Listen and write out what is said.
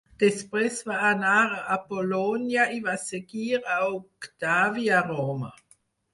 Després va anar a Apol·lònia i va seguir a Octavi a Roma.